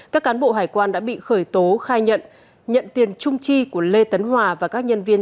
các cán bộ hải quan đã bị khởi tố khai nhận nhận tiền chung chi của lê tấn hòa và các nhân viên